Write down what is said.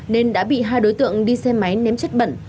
nên đã bị hai đối tượng đi xe máy ném chất bẩn